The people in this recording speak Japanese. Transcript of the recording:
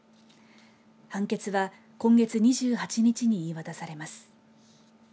判決は今月２８日に言いわたされます。